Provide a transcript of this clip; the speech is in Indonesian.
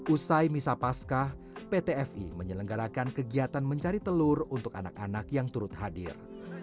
usai misa paskah pt fi menyelenggarakan kegiatan mencari telur untuk anak anak yang turut hadir